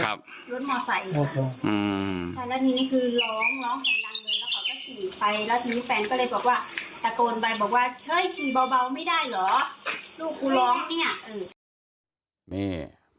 ์ก็เลยบอกว่าตะโกลนไปบอกว่าเห้ยไม่ได้หรอลูกล้อง